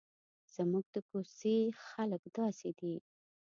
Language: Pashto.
زموږ د کوڅې خلک داسې دي.